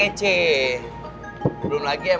karena citra sekolahan kita ini kece